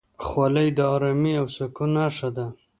خولۍ د ارامۍ او سکون نښه ده.